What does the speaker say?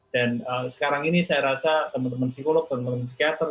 dan sekarang ini saya rasa teman teman psikolog teman teman psikiater